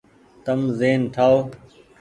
تم زهين ٺآئو ۔